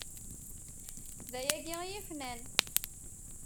D ayagi i yi-fnan!